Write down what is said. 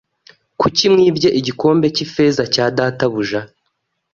kuki mwibye igikombe cy’ifeza cya databuja